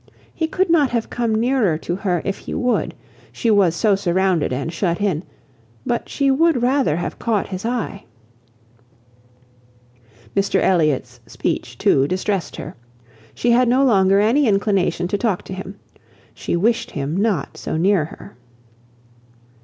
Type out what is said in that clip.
He could not have come nearer to her if he would; she was so surrounded and shut in: but she would rather have caught his eye. Mr Elliot's speech, too, distressed her. She had no longer any inclination to talk to him. She wished him not so near her.